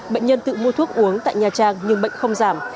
bệnh nhân tự mua thuốc uống tại nha trang nhưng bệnh không giảm